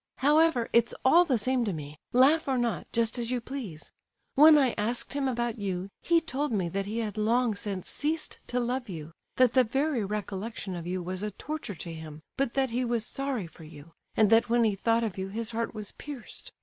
"However, it's all the same to me; laugh or not, just as you please. When I asked him about you, he told me that he had long since ceased to love you, that the very recollection of you was a torture to him, but that he was sorry for you; and that when he thought of you his heart was pierced.